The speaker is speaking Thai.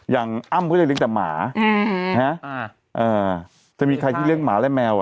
อ้ำก็จะเลี้ยแต่หมาจะมีใครที่เลี้ยงหมาและแมว